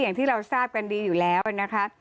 อย่างที่เราทราบกันดีอยู่แล้วนะคะ